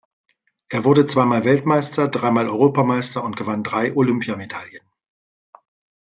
Er wurde zweimal Weltmeister, dreimal Europameister und gewann drei Olympiamedaillen.